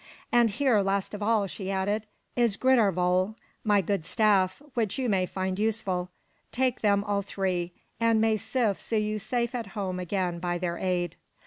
And here, last of all," she added, "is Gridarvöll, my good staff, which you may find useful. Take them, all three; and may Sif see you safe at home again by their aid."